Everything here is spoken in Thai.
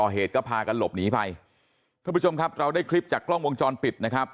หลบหนีไปคุณผู้ชมครับเราได้คลิปจากกล้องวงจรปิดนะครับ